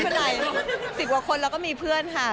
ไม่เป็นไรสิบหวังคนแล้วแล้วก็มีเพื่อนค่ะ